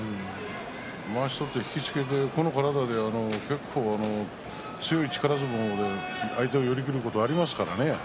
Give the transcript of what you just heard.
まわしを取って引き付けてこの体で結構、強い力相撲相手を寄り切ることがありますからね。